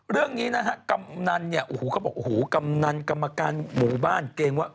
เรื่องนี้นะครับกำนันเนี่ยเขาบอกกำนันกรรมการหมู่บ้านเกรงว่า